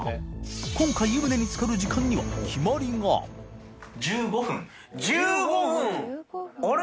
禳２湯船に浸かる時間には決まりが覆燭筺あれ？